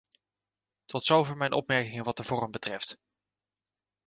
Tot zover mijn opmerkingen wat de vorm betreft.